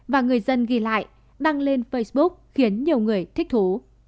và người dân ghi lại đăng lên facebook khiến nhiều người thích thú